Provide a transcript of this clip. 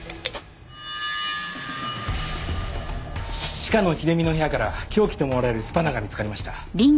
鹿野秀美の部屋から凶器と思われるスパナが見つかりました。